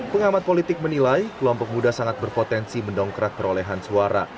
pengamat politik menilai kelompok muda sangat berpotensi mendongkrak perolehan suara